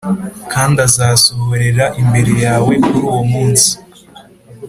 kandi azasohorera imbere yawe kuri uwo munsi